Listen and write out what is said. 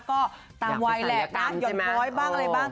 ก็ตามวัยแหละนะหย่อนน้อยบ้างอะไรบ้าง